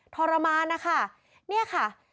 ทรมานนะคะ